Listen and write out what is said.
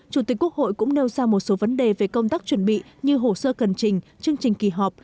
chủ tịch quốc hội cũng nêu ra một số vấn đề về công tác chuẩn bị như hồ sơ cần trình chương trình kỳ họp